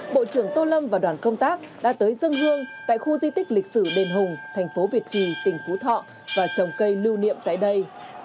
bộ trưởng tô lâm và đoàn công tác đã tới dân hương tại khu di tích lịch sử đền hùng thành phố việt trì tỉnh phú thọ và trồng cây lưu niệm tại đây